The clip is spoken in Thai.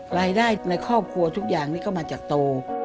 รายได้ในครอบครัวทุกอย่างนี้ก็มาจากโต